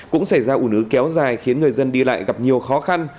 cũng xảy ra ồn ứ kéo dài khiến người dân đi lại gặp nhiều khó khăn